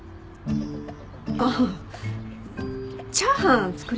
ああチャーハン作ります。